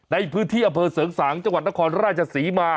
ในพื้นที่อำเภอเสริงสางจังหวัดนครราชศรีมา